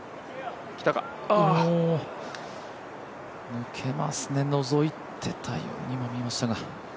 抜けますね、覗いていたようにも見えましたが。